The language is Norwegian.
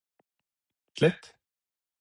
slett